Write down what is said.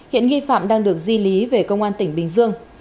hiện nghi phạm đang được di lý về công an tỉnh bình dương